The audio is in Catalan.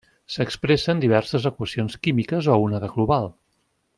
S'expressa en diverses equacions químiques o una de global.